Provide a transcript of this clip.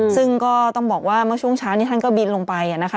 ซึ่งก็ต้องบอกว่าเมื่อช่วงเช้านี้ท่านก็บินลงไปนะคะ